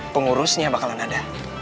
pengurusnya bakalan ada